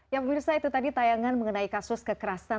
yang menurut saya itu tadi tayangan mengenai kasus kekerasan